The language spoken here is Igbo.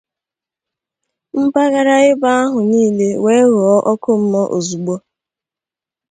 mpaghara ebe ahụ niile wee ghọọ ọkụ mmụọ ozigbo